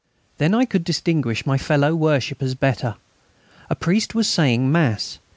Then I could distinguish my fellow worshippers better. A priest was saying mass.